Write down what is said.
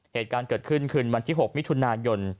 เหตุการณ์เกิดขึ้นคืนวันที่๖มิถุนายน